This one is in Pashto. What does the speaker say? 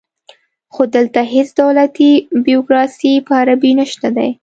خو دلته هیڅ دولتي بیروکراسي په عربي نشته دی